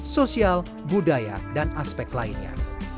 sosial budaya dan aspek lainnya